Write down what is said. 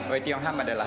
uit yongham adalah